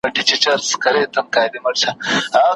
يو ناپوه دئ په گونگۍ ژبه گويان دئ